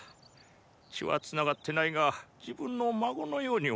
血は繋がってないが自分の孫のように思っとる。